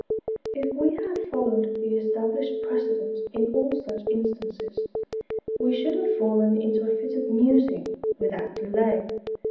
If we had followed the established precedent in all such instances, we should have fallen into a fit of musing, without delay.